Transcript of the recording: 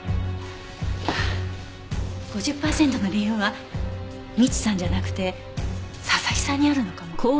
５０パーセントの理由は未知さんじゃなくて佐々木さんにあるのかも。